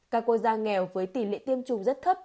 các quốc gia nghèo với tỷ lệ tiêm chủng rất thấp